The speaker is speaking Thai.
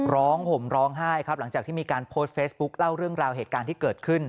ห่มร้องไห้ครับหลังจากที่มีการโพสต์เฟซบุ๊คเล่าเรื่องราวเหตุการณ์ที่เกิดขึ้น